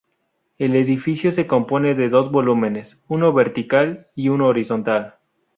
El edificio se compone de dos volúmenes: uno vertical y uno horizontal.